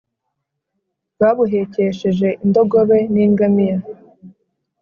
babuhekesheje indogobe n’ingamiya,